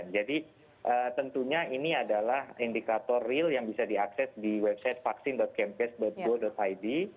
jadi tentunya ini adalah indikator real yang bisa diakses di website vaksin campus go id